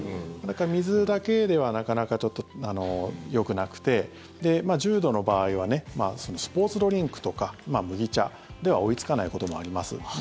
水だけではなかなかちょっと、よくなくて重度の場合はスポーツドリンクとか麦茶では追いつかないこともあります。